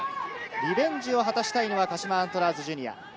リベンジを果たしたいのが鹿島アントラーズジュニア。